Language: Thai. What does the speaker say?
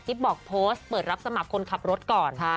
บอกโพสต์เปิดรับสมัครคนขับรถก่อน